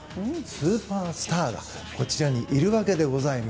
スーパースターがこちらにいるわけです。